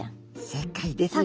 正解ですね。